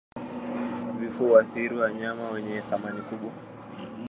vifo huwaathiri wanyama wenye thamani kubwa